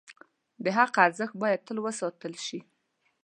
د حق ارزښت باید تل وساتل شي.